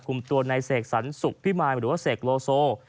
คุมตัวในเสกสรรสุขพิมายหรือว่าเสกโลโซ